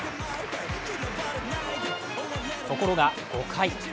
ところが５回。